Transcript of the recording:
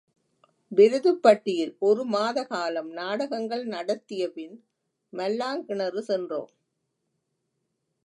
விருதுப்பட்டியில் ஒரு மாத காலம் நாடகங்கள் நடத்தியபின் மல்லாங்கிணறு சென்றோம்.